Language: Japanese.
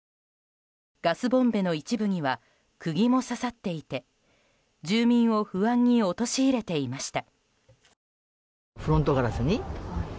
ガスボンベの一部には釘も刺さっていて住民を不安に陥れていました。